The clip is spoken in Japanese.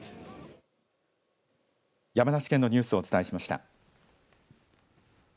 山梨県のニュースをお伝えしました。